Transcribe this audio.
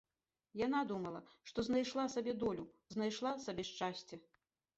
Яна думала, што знайшла сабе долю, знайшла сабе шчасце.